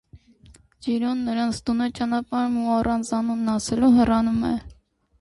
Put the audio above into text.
Ջիրոն նրանց տուն է ճանապարհում ու, առանց անունն ասելու, հեռանում է։